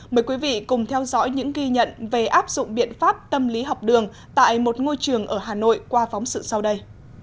mời quý vị cùng theo dõi những ghi nhận về áp dụng biện pháp tâm lý học đường tại một ngôi trường ở hà nội qua phóng sự sau đây